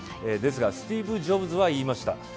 ですがスティーブ・ジョブズは言いました。